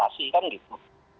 relaksasi kan gitu